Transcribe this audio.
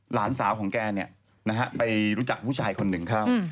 หลานสาวของแกไปรู้จักผู้ชายคนหนึ่งเข้า